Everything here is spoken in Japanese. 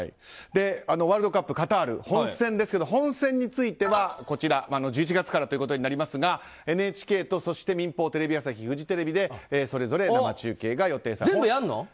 ワールドカップカタール本戦ですけども本戦については１１月からになりますがＮＨＫと民放、テレビ朝日フジテレビでそれぞれ生中継が予定されています。